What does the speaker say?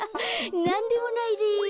なんでもないです。